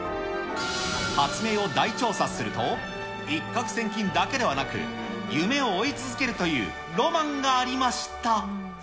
発明を大調査すると、一獲千金だけではなく、夢を追い続けるというロマンがありました。